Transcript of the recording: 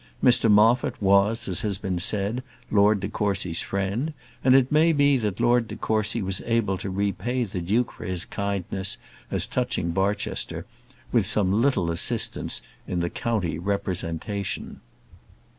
Mr Moffat, was, as has been said, Lord de Courcy's friend; and it may be that Lord de Courcy was able to repay the duke for his kindness, as touching Barchester, with some little assistance in the county representation.